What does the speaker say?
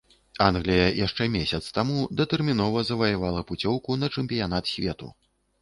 Англія яшчэ месяц таму датэрмінова заваявала пуцёўку на чэмпіянат свету.